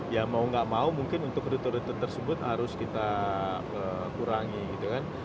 ya mau nggak mau mungkin untuk rute rute tersebut harus kita kurangi gitu kan